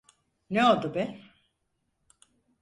Ne oldu be?